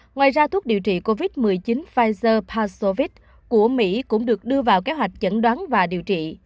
ngoài ra thuốc điều trị covid một mươi chín pfizer pasovic của mỹ cũng được đưa vào kế hoạch chẩn đoán và điều trị